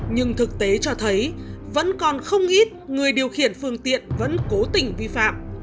nhưng thực tế cho thấy vẫn còn không ít người điều khiển phương tiện vẫn cố tình vi phạm